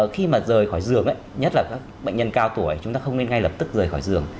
khi mà rời khỏi giường nhất là các bệnh nhân cao tuổi chúng ta không nên ngay lập tức rời khỏi giường